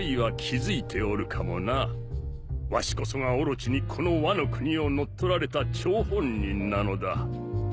わしこそがオロチにこのワノ国を乗っ取られた張本人なのだ。